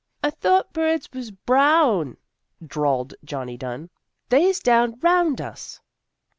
" I thought birds was brown," drawled Johnny Dunn. " They is down 'round us."